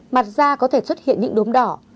mặt da có thể xuất hiện những đốm đỏ